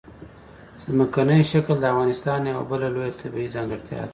ځمکنی شکل د افغانستان یوه بله لویه طبیعي ځانګړتیا ده.